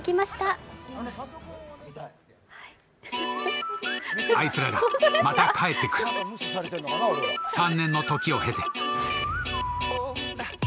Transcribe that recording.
あいつらがまた帰ってくる、３年の時を経て。